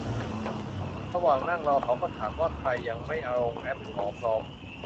ระหว่างนั่งรอเขาก็ถามว่าใครยังไม่ลงแอปหมอพร้อม